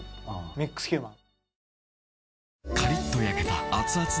ミックスヒューマン。